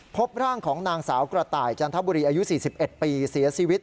พบร่างของนางสาวกระต่ายจันทบุรีอายุ๔๑ปีเสียชีวิต